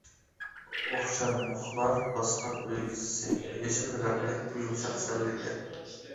ئوخشار مۇخلار باسقان ئۆگزىسى، يېشىل رەڭلىك يۇمشاق سەللىگە.